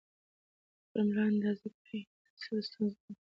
خپل ملا اندازه کړئ ترڅو د ستونزې معلومه کړئ.